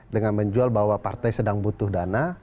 dengan menjual bahwa partai sedang butuh dana